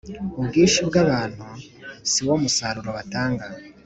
Ubwinshi bwabantu siwo musaruro batanga